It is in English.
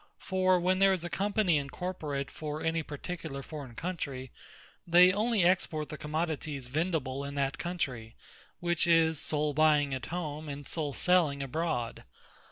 For when there is a Company incorporate for any particular forraign Country, they only export the Commodities vendible in that Country; which is sole buying at home, and sole selling abroad.